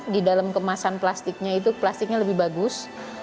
di dalam kemasan plastiknya itu plastiknya lebih bagus